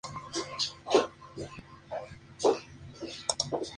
En algunas cosas "Burn Up W" puede ser muy siniestra y oscura.